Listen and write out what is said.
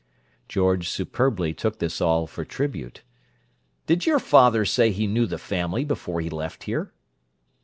George superbly took this all for tribute. "Did your father say he knew the family before he left here?"